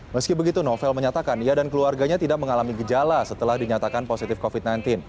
meski begitu novel menyatakan ia dan keluarganya tidak mengalami gejala setelah dinyatakan positif covid sembilan belas